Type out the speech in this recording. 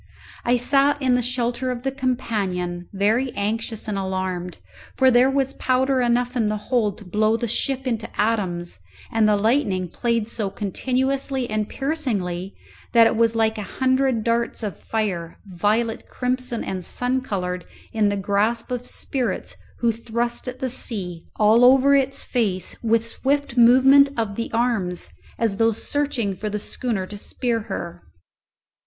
I sat in the shelter of the companion, very anxious and alarmed, for there was powder enough in the hold to blow the ship into atoms; and the lightning played so continuously and piercingly that it was like a hundred darts of fire, violet, crimson, and sun coloured, in the grasp of spirits who thrust at the sea, all over its face, with swift movement of the arms, as though searching for the schooner to spear her.